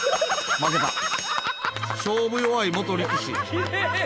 負けた、勝負弱い元力士。